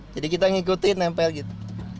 jadi kita ngikutin nempel gitu